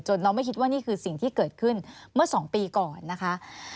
เราไม่คิดว่านี่คือสิ่งที่เกิดขึ้นเมื่อ๒ปีก่อนนะคะ